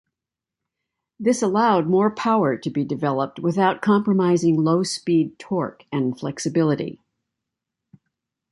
This allowed more power to be developed without compromising low-speed torque and flexibility.